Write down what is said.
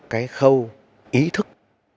cái khâu ý thức